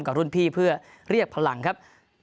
กับรุ่นพี่เพื่อเรียกพลังครับ